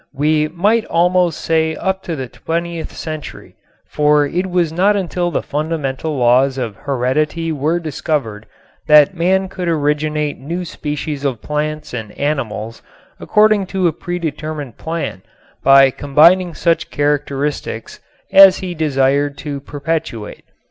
We might almost say up to the twentieth century, for it was not until the fundamental laws of heredity were discovered that man could originate new species of plants and animals according to a predetermined plan by combining such characteristics as he desired to perpetuate.